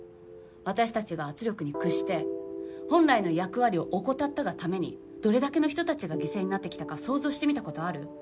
私たちが圧力に屈して本来の役割を怠ったがためにどれだけの人たちが犠牲になってきたか想像してみたことある？